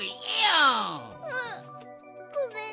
うん！